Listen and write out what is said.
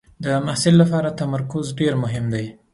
د محصل لپاره تمرکز ډېر مهم دی.